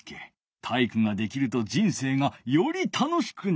体育ができると人生がより楽しくなるじゃろ。